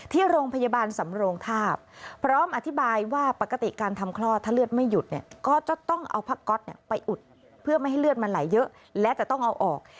ที่โรงพยาบาลสำโรงทาบพร้อมอธิบายว่าปกติการทำคลอดถ้าเลือดไม่หยุดเนี่ยก็จะต้องเอาผ้าก๊อตไปอุดเพื่อไม่ให้เลือดมันไหลเยอะและจะต้องเอาออก